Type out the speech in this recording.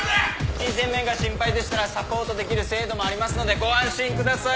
金銭面が心配でしたらサポートできる制度もありますのでご安心ください。